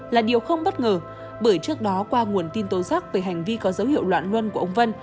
là điều không bất ngờ bởi trước đó qua nguồn tin tố giác về hành vi có dấu hiệu loạn luân của ông vân